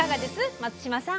松嶋さん。